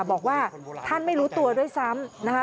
บอกว่าท่านไม่รู้ตัวด้วยซ้ำนะคะ